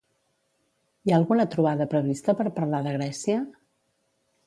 Hi ha alguna trobada prevista per parlar de Grècia?